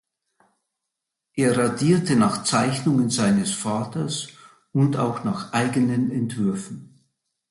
Er radierte nach Zeichnungen seines Vaters und auch nach eigenen Entwürfen.